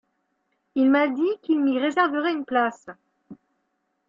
Il m'a dit qu'il m'y réservait une place.